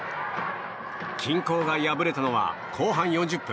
均衡が破れたのは後半４０分。